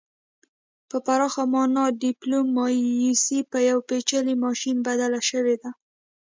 په پراخه مانا ډیپلوماسي په یو پیچلي ماشین بدله شوې ده